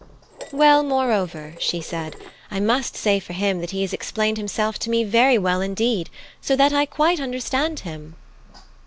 "Well, moreover," she said, "I must say for him that he has explained himself to me very well indeed, so that I quite understand him."